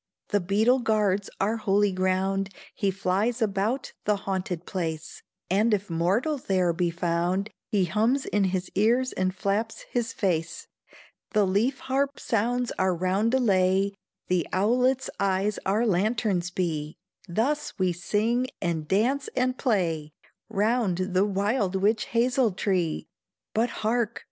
The beetle guards our holy ground, He flies about the haunted place, And if mortal there be found, He hums in his ears and flaps his face; The leaf harp sounds our roundelay, The owlet's eyes our lanterns be; Thus we sing, and dance and play, Round the wild witch hazel tree. But hark!